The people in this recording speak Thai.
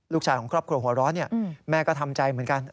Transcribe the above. ลูกชายของครอบครัวหัวร้อนแม่ก็ทำใจเหมือนกัน